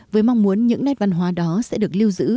với mong muốn những nét văn hóa đó sẽ được lưu giữ